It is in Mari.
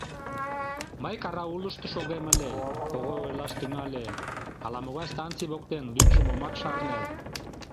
— Мый караулышто шогем ыле, — Когой ойлаш тӱҥале, — ала-могай станций воктен, лӱмжым омат шарне.